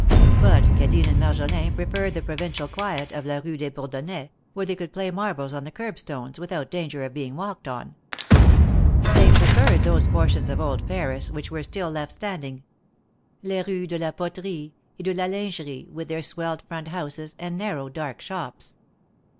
But Cadine and Marjolin preferred the provincial quiet of la Kue des Bourdon nais, where they could play marbles on the curb stones without danger of being walked on. They preferred those portions of old Paris which were still left standing — les Rues de la Poterie and de la Lin gerie, with their swelled front houses, and narrow, dark shops.